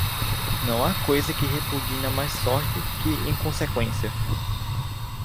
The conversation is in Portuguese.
Não há coisa que repugna mais sorte que inconsequência.